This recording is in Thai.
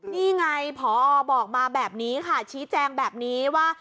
นี่ไงพอบอกมาแบบนี้ค่ะชี้แจงแบบนี้ว่า